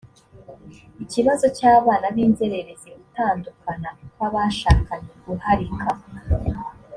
ikibazo cy abana b inzererezi gutandukana kw abashakanye guharika